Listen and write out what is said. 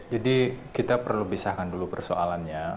jadi kita perlu pisahkan dulu persoalannya